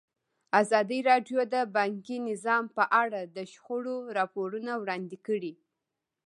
ازادي راډیو د بانکي نظام په اړه د شخړو راپورونه وړاندې کړي.